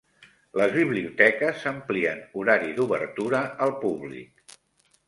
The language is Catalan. Les biblioteques amplien horari d'obertura al públic